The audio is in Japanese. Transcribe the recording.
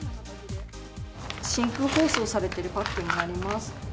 真空包装されてるパックになります。